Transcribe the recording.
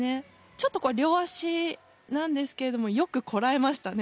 ちょっとこれ両足なんですけれどもよくこらえましたね。